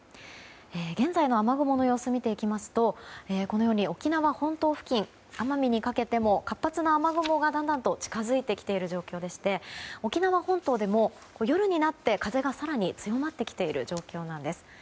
現在の雨雲の様子を見ていきますとこのように沖縄本島付近奄美にかけても活発な雨雲がだんだんと近づいてきている状況でして沖縄本島でも夜になって風が更に強まってきている状況です。